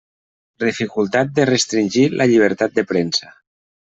Dificultat de restringir la llibertat de premsa.